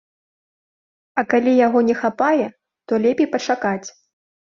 А калі яго не хапае, то лепей пачакаць.